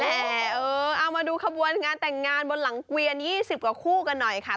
เอามาดูขบวนงานแต่งงานบนหลังเกวียน๒๐กว่าคู่กันหน่อยค่ะ